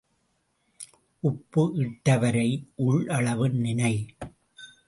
உப்பு இட்டவரை உள்ளளவும் நினை.